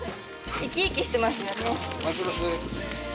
生き生きしてますよね。